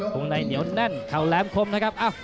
วงในเหนียวแน่นเข่าแหลมคมนะครับ